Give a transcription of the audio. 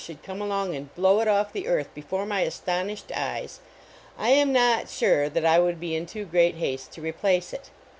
should come along and blow it off the earth before my ,i.stoni>hed eyes, I am not sure that I would be in too great haste to replace it.